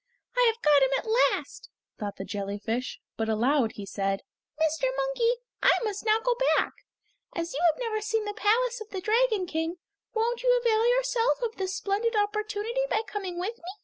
"I have got him at last!" thought the jellyfish, but aloud he said: "Mr. Monkey, I must now go back. As you have never seen the palace of the Dragon King, won't you avail yourself of this splendid opportunity by coming with me?